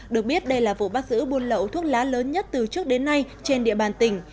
được biết đây là vụ bắt giữ buôn lậu thuốc lá lớn nhất từ trước đến nay trên địa bàn tỉnh